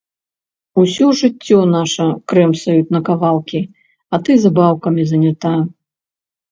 Усё жыццё наша крэмсаюць на кавалкі, а ты забаўкамі занята.